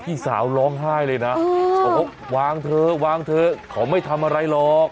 พี่สาวร้องไห้เลยนะโอ้โหวางเธอเขาไม่ทำอะไรหรอก